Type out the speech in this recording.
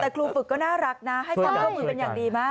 แต่ครูฝึกก็น่ารักนะให้พ่อพ่อฝึกเป็นอย่างดีมาก